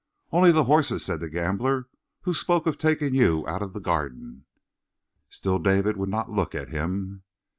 "Only the horses," said the gambler. "Who spoke of taking you out of the Garden?" Still David would not look at him.